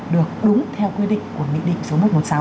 được đúng theo quy định của nghị định số một trăm một mươi sáu